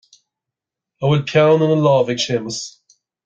An bhfuil peann ina lámh ag Séamus